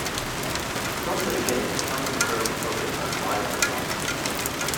From the beginning, Counting Crows focused on live performances.